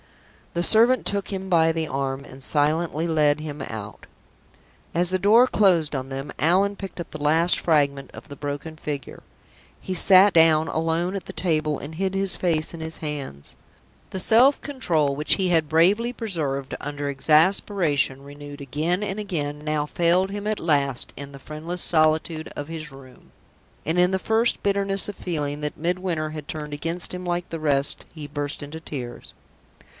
The servant took him by the arm, and silently led him out. As the door closed on them, Allan picked up the last fragment of the broken figure. He sat down alone at the table, and hid his face in his hands. The self control which he had bravely preserved under exasperation renewed again and again now failed him at last in the friendless solitude of his room, and, in the first bitterness of feeling that Midwinter had turned against him like the rest, he burst into tears.